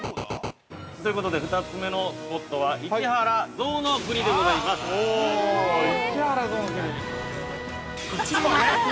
◆ということで、２つ目のスポットは市原ぞうの国でございます。